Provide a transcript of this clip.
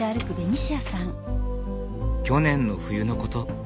去年の冬のこと。